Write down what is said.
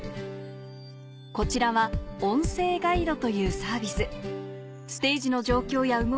こちらは音声ガイドというサービス